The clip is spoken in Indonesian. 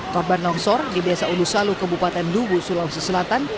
korban longsor di desa ulusalu kabupaten dubu sulawesi selatan